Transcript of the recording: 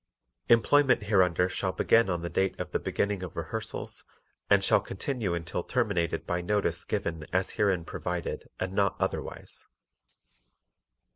Employment hereunder shall begin on the date of the beginning of rehearsals and shall continue until terminated by notice given as herein provided and not otherwise.